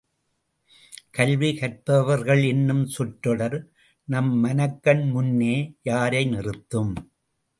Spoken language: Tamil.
கல்வி கற்பவர்கள் என்னும் சொற்றொடர் நம் மனக்கண் முன்னே யாரை நிறுத்தும்?